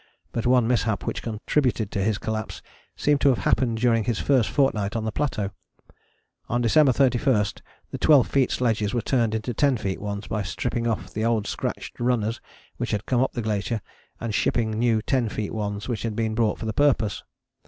But one mishap which contributed to his collapse seems to have happened during this first fortnight on the plateau. On December 31 the 12 feet sledges were turned into 10 feet ones by stripping off the old scratched runners which had come up the glacier and shipping new 10 feet ones which had been brought for the purpose.